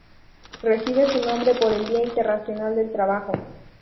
Recibe su nombre por el día internacional del trabajo